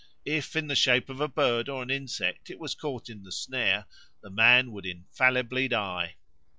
If in the shape of a bird or an insect it was caught in the snare, the man would infallibly die.